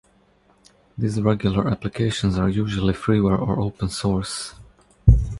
These regular applications are usually freeware or open source.